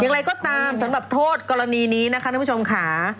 อย่างไรก็ตามสำหรับโทษกรณีนี้นะคะท่านผู้ชมค่ะ